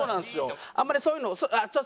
あんまりそういうのあっ